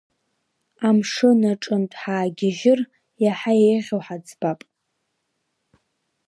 Амшын аҿынтә ҳаагьежьыр, иаҳа еиӷьу ҳаӡбап.